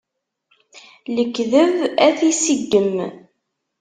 Lekdeb ad t-iseggem.